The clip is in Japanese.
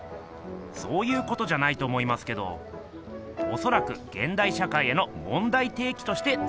そういうことじゃないと思いますけどおそらく現代社会への問題提起としてつくられているんじゃないんですか？